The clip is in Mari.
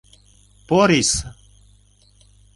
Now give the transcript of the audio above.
Порис.